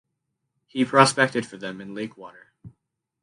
He prospected for them in lake water.